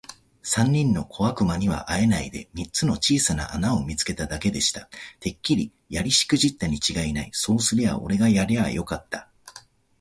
三人の小悪魔にはあえないで、三つの小さな穴を見つけただけでした。「てっきりやりしくじったにちがいない。そうとすりゃおれがやりゃよかった。」